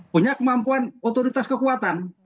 punya kemampuan otoritas kekuatan